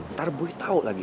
ntar boy tau lagi